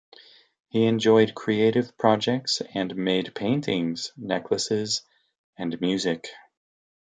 He enjoyed creative projects and made paintings, necklaces, and music.